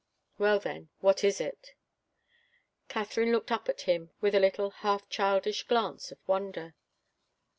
Well, then, what is it?" Katharine looked up at him with a little, half childish glance of wonder.